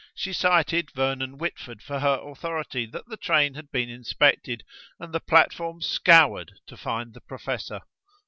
She cited Vernon Whitford for her authority that the train had been inspected, and the platform scoured to find the professor.